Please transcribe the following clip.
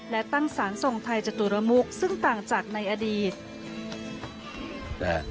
และตั้งสารทรงไทยจตุรมุกซึ่งต่างจากในอดีต